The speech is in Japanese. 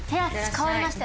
変わりました。